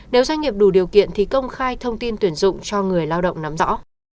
nếu doanh nghiệp đủ điều kiện thì công khai thông tin tuyển dụng cho người lao động nắm rõ